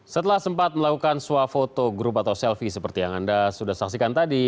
setelah sempat melakukan swafoto grup atau selfie seperti yang anda sudah saksikan tadi